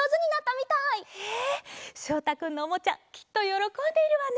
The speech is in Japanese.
えしょうたくんのおもちゃきっとよろこんでいるわね！